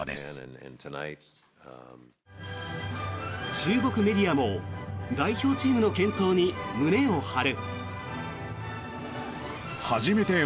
中国メディアも代表チームの健闘に胸を張る。